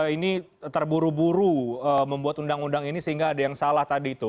ini terburu buru membuat undang undang ini sehingga ada yang salah tadi itu